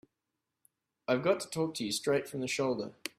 I've got to talk to you straight from the shoulder.